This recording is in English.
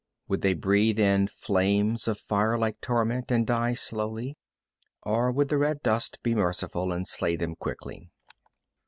Would they breathe in flames of firelike torment and die slowly, or would the red dust be merciful and slay them quickly?